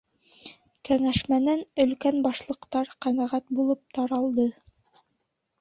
Кәңәшмәнән Өлкән Башлыҡтар ҡәнәғәт булып таралды.